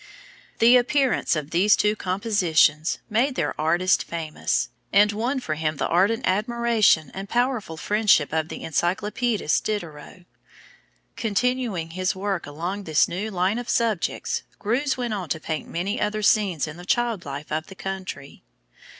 The appearance of these two compositions made their artist famous, and won for him the ardent admiration and powerful friendship of the encyclopædist Diderot. Continuing his work along this new line of subjects, Greuze went on to paint many other scenes in the child life of the country.